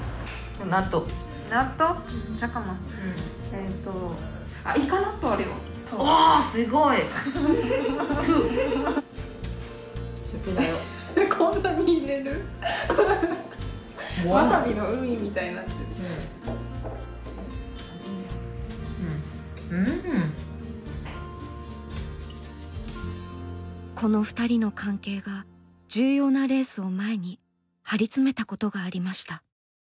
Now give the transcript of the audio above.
この２人の関係が重要なレースを前に張り詰めたことがありました。